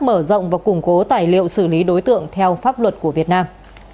mở rộng và củng cố tài liệu xử lý đối tượng theo pháp luật của việt nam